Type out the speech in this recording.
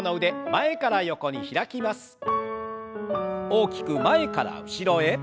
大きく前から後ろへ。